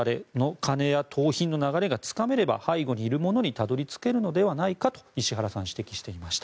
金や盗品の流れがつかめれば背後にいる者にたどり着けるのではないかと石原さんは指摘していました。